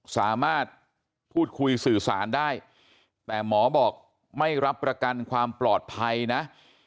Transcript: สามารถพูดคุยสื่อสารได้แต่หมอบอกไม่รับประกันความปลอดภัยนะ